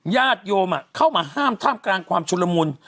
ญาติโยมเข้ามาห้ามท่ามกลางความชุลมุน